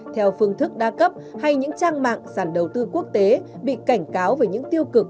theo phương thức đa cấp hay những trang mạng sàn đầu tư quốc tế bị cảnh cáo về những tiêu cực